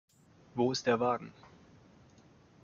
Wo ist der Wagen?